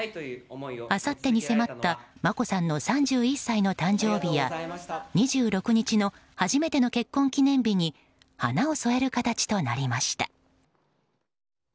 あさってに迫った眞子さんの３１歳の誕生日や２６日の初めての結婚記念日に花を添える形となりました。